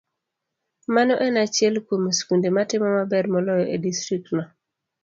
Mano en achiel kuom skunde matimo maber moloyo e distriktno.